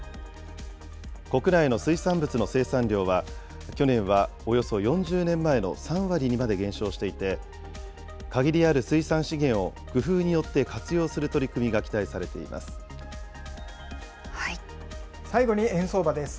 国内の水産物の生産量は、去年はおよそ４０年前の３割にまで減少していて、限りある水産資源を工夫によって活用する取り組みが期待されてい最後に円相場です。